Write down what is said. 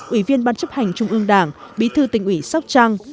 ủy viên ban chấp hành trung ương đảng bí thư tỉnh ủy sóc trăng